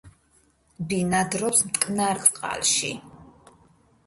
ბინადრობს მტკნარ წყალში.